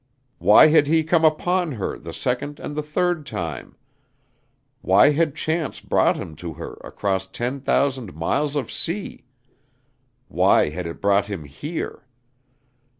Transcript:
why had he come upon her the second and the third time? why had Chance brought him to her across ten thousand miles of sea? why had it brought him here?